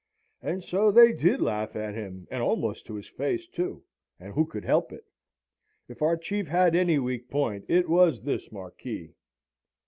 And so they did laugh at him, and almost to his face too, and who could help it? If our Chief had any weak point it was this Marquis.